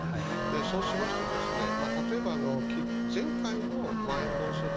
そうしますと例えば、前回のまん延防止措置